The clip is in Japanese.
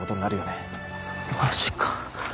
マジか。